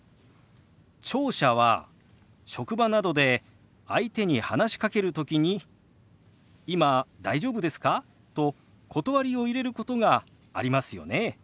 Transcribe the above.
聴者は職場などで相手に話しかける時に「今大丈夫ですか？」と断りを入れることがありますよね？